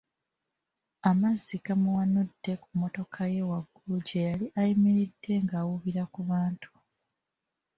Amazzi gamuwanudde ku mmotoka ye waggulu gye yali ayimiridde ng'awuubira ku bantu.